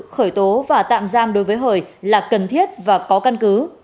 khởi tố và tạm giam đối với hời là cần thiết và có căn cứ